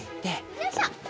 よいしょ。